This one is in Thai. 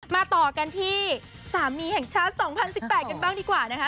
มาต่อกันที่สามีแห่งชาติ๒๐๑๘กันบ้างดีกว่านะคะ